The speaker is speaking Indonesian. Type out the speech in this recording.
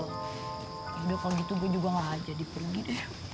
yaudah kalau gitu gue juga nggak haja dipergi deh